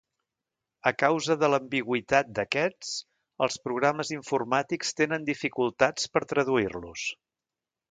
A causa de l'ambigüitat d'aquests, els programes informàtics tenen dificultats per traduir-los.